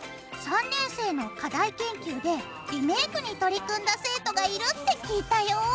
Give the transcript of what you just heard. ３年生の課題研究でリメイクに取り組んだ生徒がいるって聞いたよ。